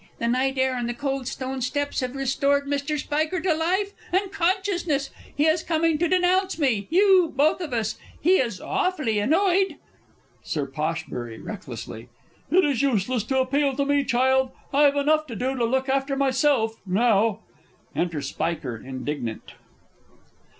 The night air and the cold stone steps have restored Mr. Spiker to life and consciousness! He is coming to denounce me you both of us! He is awfully annoyed! Sir P. (recklessly). It is useless to appeal to me, child. I have enough to do to look after myself now. [Enter SPIKER, _indignant.